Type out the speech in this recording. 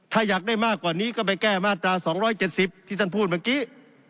ถ้าอยากได้มากกว่านี้ก็ไปแก้มาตรา๒๗๐ที่ท่านพูดเมื่อกี้